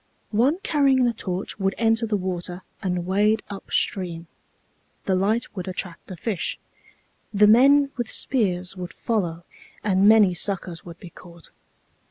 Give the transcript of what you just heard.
One carrying the torch would enter the water and wade up stream. The light would attract the fish. The men with spears would follow, and many suckers would be caught.